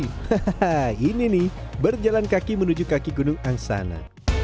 hahaha ini nih berjalan kaki menuju kaki gunung angsana